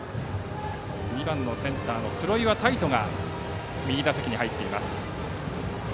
２番のセンターの黒岩大都が右打席に入っています。